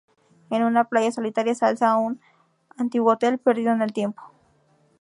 En una playa solitaria, se alza un antiguo hotel perdido en el tiempo.